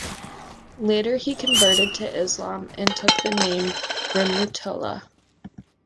Later he converted to Islam and took the name Rehmatullah.